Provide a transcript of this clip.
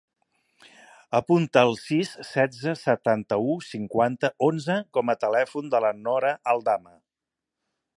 Apunta el sis, setze, setanta-u, cinquanta, onze com a telèfon de la Nora Aldama.